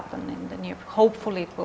semoga ini tetap seperti ini